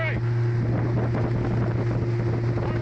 ออกไป